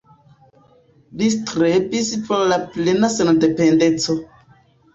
Li strebis por la plena sendependeco.